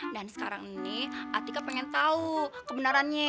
dan sekarang ini atika pengen tahu kebenarannya